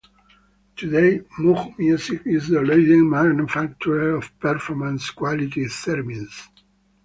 Today, Moog Music is the leading manufacturer of performance-quality theremins.